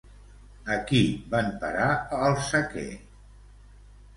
A qui van parar al sequer?